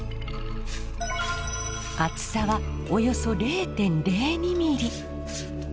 厚さはおよそ０．０２ｍｍ。